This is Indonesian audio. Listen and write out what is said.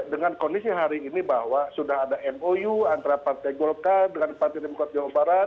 dengan kondisi hari ini bahwa sudah ada mou antara partai golkar dengan partai demokrat jawa barat